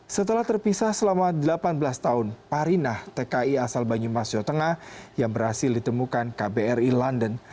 setelah terpisah selama delapan belas tahun parinah tki asal banyumas jawa tengah yang berhasil ditemukan kbri london